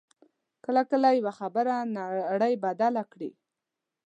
کله کله یوه خبره نړۍ بدله کړي